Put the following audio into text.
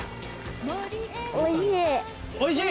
・おいしい。